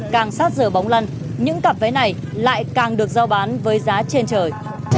càng sát giờ bóng lăn những cặp vé này lại càng được giao bán với giá trên trời